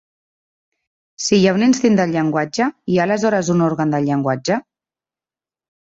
Si hi ha un instint del llenguatge, hi ha aleshores un òrgan del llenguatge?